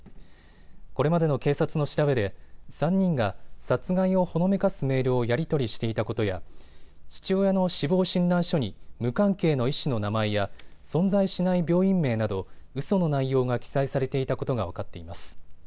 これまでの警察の調べで３人が殺害をほのめかすメールをやり取りしていたことや父親の死亡診断書に無関係の医師の名前や存在しない病院名などうその内容が記載されていたことが分かっています。